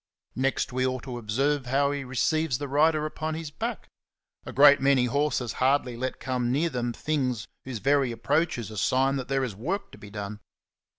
Next we ought to observe how he receives the rider upon his back ; a good many horses hardly let come near them things who^e very approach is a sign that there is work to be done.